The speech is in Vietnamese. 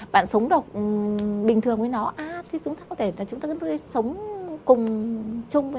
bạn sống độc bình thường với nó thì chúng ta có thể sống cùng chung với nó mà không có vấn đề gì